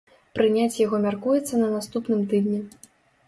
Прыняць яго мяркуецца на наступным тыдні.